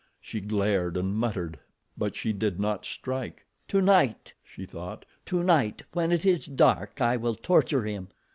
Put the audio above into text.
She glared and muttered but she did not strike. "Tonight!" she thought. "Tonight, when it is dark I will torture him."